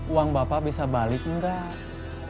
uang bapak bisa balik enggak